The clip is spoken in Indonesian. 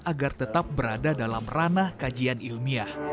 agar tetap berada dalam ranah kajian ilmiah